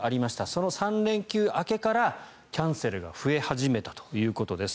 その３連休明けからキャンセルが増え始めたということです。